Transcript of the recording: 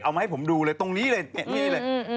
มาให้ผมดูเลยตรงนี้เลยนี่เลย